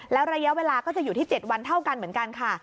แล้วระยะเวลาก็จะอยู่ที่๗วันเท่ากันเหมือนกันค่ะ